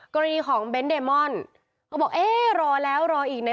กรณีของเบนเตรมอลเกิดบอกเอ๊ะรอแล้วรออีกไหม